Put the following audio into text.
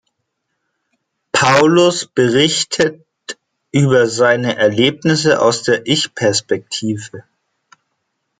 Paulus berichtet über seine Erlebnisse aus der Ich-Perspektive.